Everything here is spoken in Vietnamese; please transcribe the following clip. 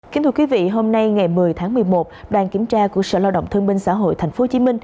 kính thưa quý vị hôm nay ngày một mươi tháng một mươi một đoàn kiểm tra của sở lao động thương minh xã hội tp hcm